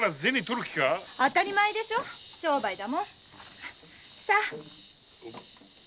当たり前でしょ商売だもん。さ。